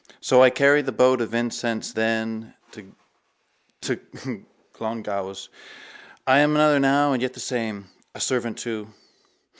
So I carried the boat of incense then at Clongowes. I am another now and yet the same. A servant too.